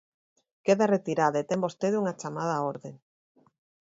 Queda retirada e ten vostede unha chamada á orde.